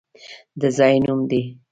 د ځای نوم دی!